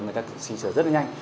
mọi người sẽ trình sửa rất là nhanh